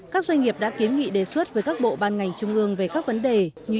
các doanh nghiệp đã kiến nghị đề xuất với các bộ ban ngành trung ương về các vấn đề như